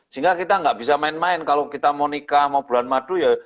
sehingga kita nggak bisa main main kalau kita mau nikah mau bulan madu ya